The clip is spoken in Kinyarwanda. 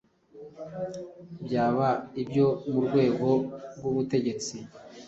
byaba ibyo mu rwego rw’ubutegetsi